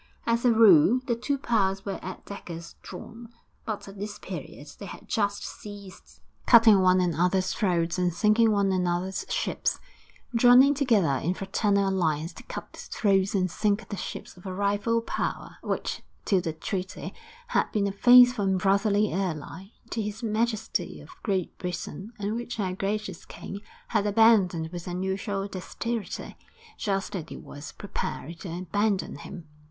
As a rule, the two powers were at daggers drawn; but at this period they had just ceased cutting one another's throats and sinking one another's ships, joining together in fraternal alliance to cut the throats and sink the ships of a rival power, which, till the treaty, had been a faithful and brotherly ally to His Majesty of Great Britain, and which our gracious king had abandoned with unusual dexterity, just as it was preparing to abandon him....